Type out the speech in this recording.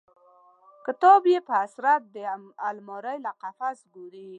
کتاب یې په حسرت د المارۍ له قفس ګوري